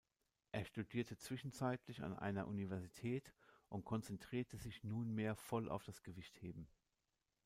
Er studierte zwischenzeitlich an einer Universität und konzentrierte sich nunmehr voll auf das Gewichtheben.